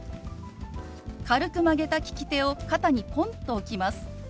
軽く曲げた利き手を肩にポンと置きます。